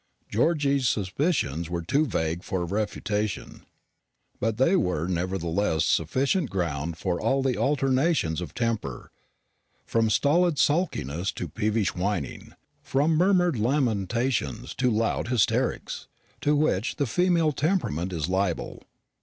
Georgy's suspicions were too vague for refutation; but they were nevertheless sufficient ground for all the alternations of temper from stolid sulkiness to peevish whining, from murmured lamentations to loud hysterics to which the female temperament is liable.